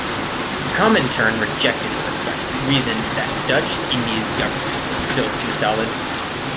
Comintern rejected the request reasoned that Dutch Indies government was still too solid.